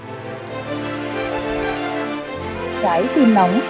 trái tim nóng